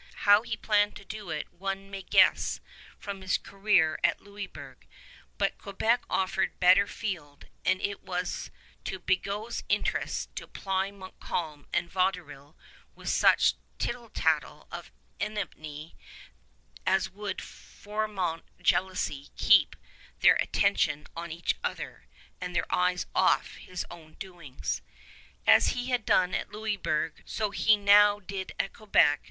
How he planned to do it one may guess from his career at Louisburg; but Quebec offered better field, and it was to Bigot's interest to ply Montcalm and Vaudreuil with such tittle tattle of enmity as would foment jealousy, keep their attention on each other, and their eyes off his own doings. As he had done at Louisburg, so he now did at Quebec.